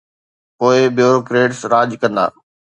پوءِ بيوروڪريٽس راڄ ڪندا